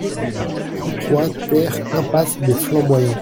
trente-trois TER impasse des Flamboyants